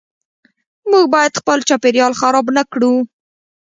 موږ باید خپل چاپیریال خراب نکړو .